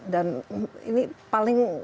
dan ini paling rendah ya